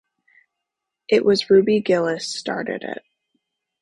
It was Ruby Gillis started it.